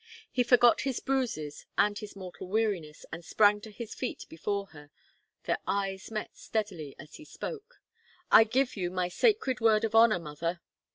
He forgot his bruises and his mortal weariness, and sprang to his feet before her. Their eyes met steadily, as he spoke. "I give you my sacred word of honour, mother."